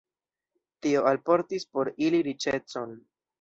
Tio alportis por ili riĉecon.